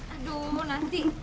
aduh mau nanti